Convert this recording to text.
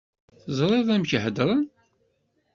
Teẓriḍ amek heddren.